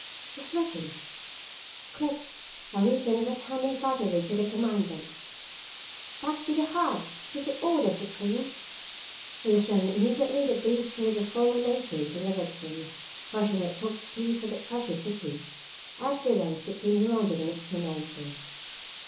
"Just listen!" "Quick!" a lieutenant was humming excitedly to the commandant. "Back to the hives; give the order, Supreme!" It was done, and immediately the bees quit the throng of natives and their victims, rushing at top speed for their precious city. As they went, Supreme demanded an explanation.